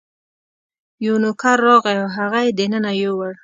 یو نوکر راغی او هغه یې دننه یووړ.